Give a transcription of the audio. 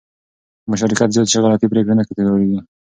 که مشارکت زیات شي، غلطې پرېکړې نه تکرارېږي.